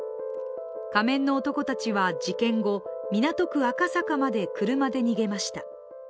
仮面の男たちは事件後、港区・赤坂まで車で逃げました。